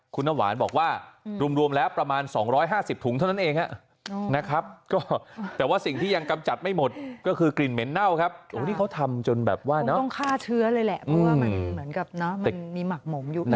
คงต้องฆ่าเชื้อเลยแหละเพราะว่ามันเหมือนกับมักหมมอยู่